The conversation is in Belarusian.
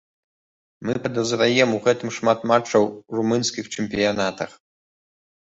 Мы падазраем у гэтым шмат матчаў у румынскіх чэмпіянатах.